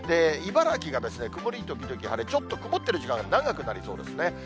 茨城が曇り時々晴れ、ちょっと曇ってる時間、長くなりそうですね。